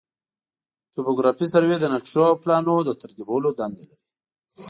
توپوګرافي سروې د نقشو او پلانونو د ترتیبولو دنده لري